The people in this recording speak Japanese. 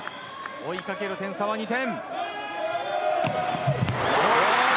追いかける点差は２点。